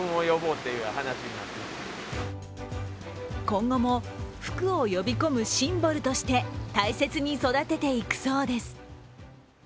今後も福を呼び込むシンボルとして大切に育てていくそうです。